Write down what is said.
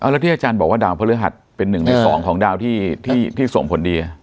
แล้วที่อาจารย์บอกว่าดาวภรรยหัสเป็นหนึ่งหรือสองของดาวที่ส่งผลดี